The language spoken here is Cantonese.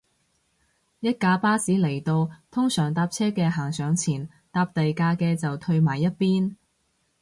一架巴士嚟到，通常搭車嘅行上前，搭第架嘅就褪埋一邊